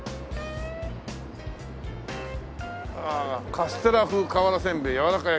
「カステラ風瓦せんべい“やわらか焼”」